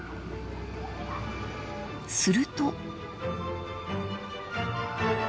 ［すると］